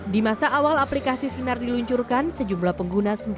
di masa awal aplikasi sinar diluncurkan sejumlah pengguna sempat